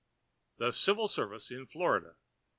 THE CIVIL SERVICE IN FLORIDA.